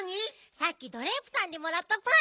さっきドレープさんにもらったパイ。